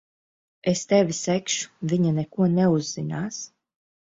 Es tevi segšu. Viņa neko neuzzinās.